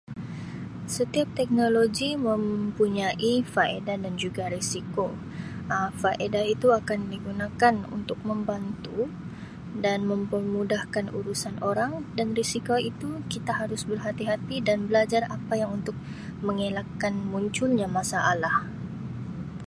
Setiap teknologi mempunyai faedah dan juga risiko Um faedah itu akan digunakan untuk membantu dan mempermudahkan urusan orang dan risiko itu kita harus berhati-hati dan belajar apa yang untuk mengelakkan munculnya masalah.